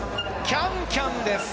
キャンキャンです。